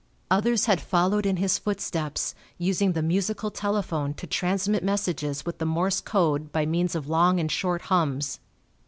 Others had followed in his footsteps, using the musical telephone to transmit messages with the Morse code by means of long and short hums.